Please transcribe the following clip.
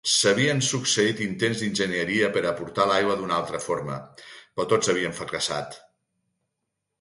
S'havien succeït intents d'enginyeria per portar l'aigua d'una altra forma, però tots havien fracassat.